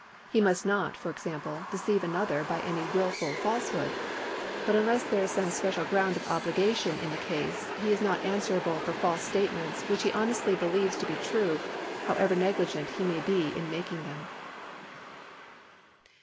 He must not, for example, deceive another by any wilful falsehood, but unless there is some special ground of obligation in the case, he is not answerable for false statements which he honestly believes to be true, however negligent he may be in making them.